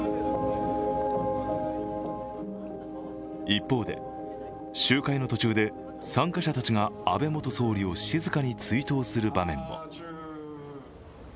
一方で、集会の途中で参加者たちが安倍元総理を静かに追悼する場面も。